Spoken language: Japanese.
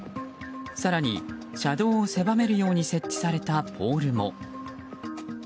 更に車道を狭めるように設置されたポールも。